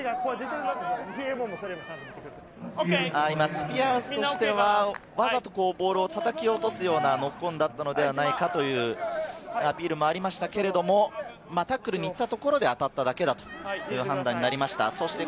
スピアーズとしてはわざとボールを叩き落とすようなノックオンだったのではないかというアピールがありましたけれど、タックルにいったところで当たっただけだという判断になりました。